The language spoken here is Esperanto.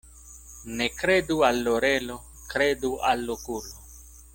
Ne kredu al orelo, kredu al okulo.